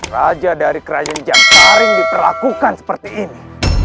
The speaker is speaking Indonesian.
raja dari kerajaan jansaring diterakukan seperti ini